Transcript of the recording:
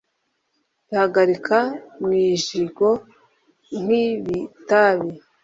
Ihagika mu ijigo nk'ibitabi,